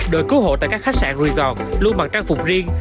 đội cứu hộ tại các khách sạn resort luôn mặc trang phục riêng